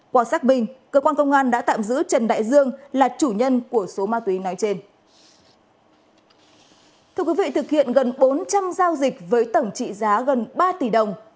qua xác bình cơ quan công an đã tạm giữ trần đại dương là chủ nhân của số ma túy nói trên